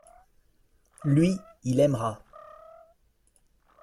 Lui, il aimera.